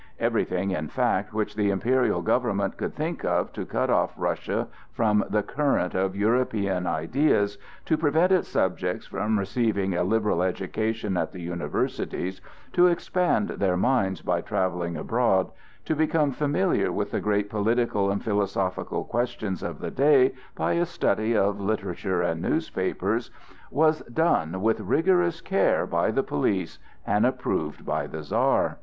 Everything, in fact, which the imperial government could think of to cut off Russia from the current of European ideas, to prevent its subjects from receiving a liberal education at the universities, to expand their minds by travelling abroad, to become familiar with the great political and philosophical questions of the day by a study of literature and newspapers, was done with rigorous care by the police and approved by the Czar.